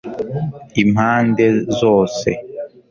impande zose